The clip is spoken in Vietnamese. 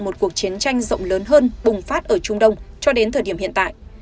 một cuộc chiến tranh rộng lớn hơn bùng phát ở trung đông cho đến thời điểm hiện tại